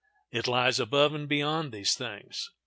It lies above and beyond these things.